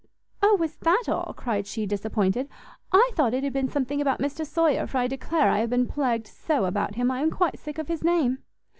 "O, was that all?" cried she, disappointed, "I thought it had been something about Mr Sawyer, for I declare I have been plagued so about him, I am quite sick of his name."